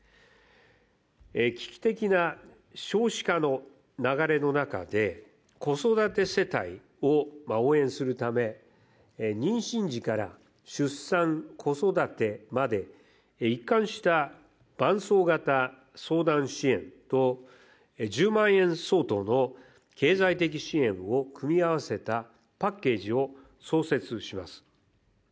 危機的な少子化の流れの中で、子育て世帯を応援するため、妊娠時から出産、子育てまで一貫した伴走型相談支援と１０万円相当の経済的支援を組み合わせたパッケージを創設します。